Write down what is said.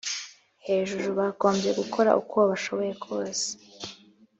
hejuru Bagombye gukora uko bashoboye kose